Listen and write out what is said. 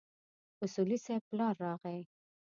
اصولي صیب پلار راغی.